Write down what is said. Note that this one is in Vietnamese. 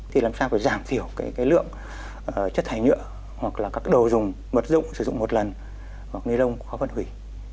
thì làm sao phải giảm thiểu lượng chất thay nhựa hoặc là các đồ dùng mật dụng sử dụng một lần hoặc nê lông khó phân hủy